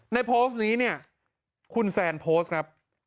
ในโพสต์นี้เนี่ยคุณแซนโพสต์ครับ